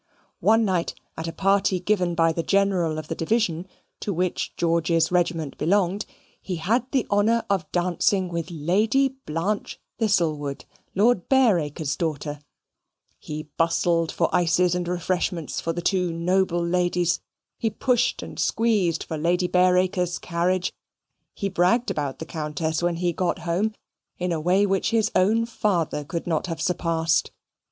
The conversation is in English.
One night at a party given by the general of the division to which George's regiment belonged, he had the honour of dancing with Lady Blanche Thistlewood, Lord Bareacres' daughter; he bustled for ices and refreshments for the two noble ladies; he pushed and squeezed for Lady Bareacres' carriage; he bragged about the Countess when he got home, in a way which his own father could not have surpassed.